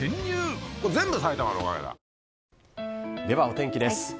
ではお天気です。